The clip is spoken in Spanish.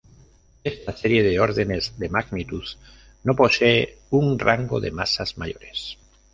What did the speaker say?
Esta serie de órdenes de magnitud no posee un rango de masas mayores